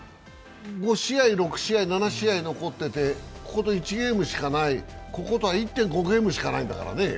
５試合、６試合、７試合残ってて、こことは１ゲームしかない、こことは１．５ゲームしかないんだからね。